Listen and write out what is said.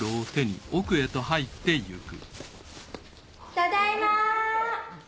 ただいま！